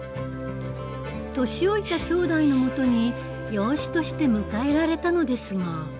年老いたきょうだいのもとに養子として迎えられたのですが。